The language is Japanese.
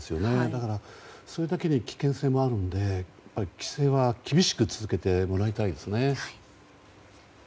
だからそれだけに危険性もあるので規制は厳しく続けてもらいたいですね。